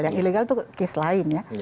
yang ilegal itu case lain ya